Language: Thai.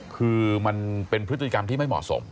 คือมันเป็นพฤติกรรมที่ไม่เหมาะสม